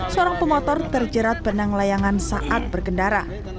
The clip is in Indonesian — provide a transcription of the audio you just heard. seorang pemotor terjerat benang layangan saat berkendara